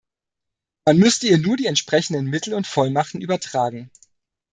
Man müsste ihr nur die entsprechenden Mittel und Vollmachten übertragen.